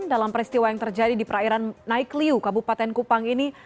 dalam peristiwa yang terjadi di perairan naikliu kabupaten kupang ini